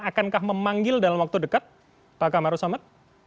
akankah memanggil dalam waktu dekat pak kamaru samad